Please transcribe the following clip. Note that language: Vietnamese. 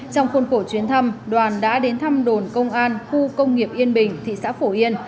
trong khuôn khổ chuyến thăm đoàn đã đến thăm đồn công an khu công nghiệp yên bình thị xã phổ yên